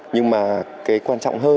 nhưng mà cái quan trọng hơn là